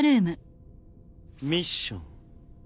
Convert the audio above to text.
ミッション。